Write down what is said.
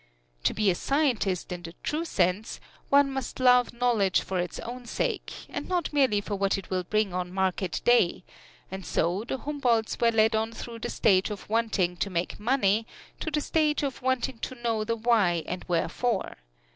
To be a scientist in the true sense, one must love knowledge for its own sake, and not merely for what it will bring on market day, and so the Humboldts were led on through the stage of wanting to make money, to the stage of wanting to know the why and wherefore.